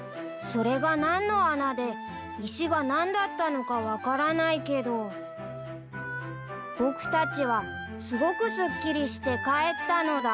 ［それが何の穴で石が何だったのか分からないけど僕たちはすごくすっきりして帰ったのだ］